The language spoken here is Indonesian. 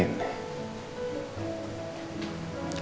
gue jadi gak sabar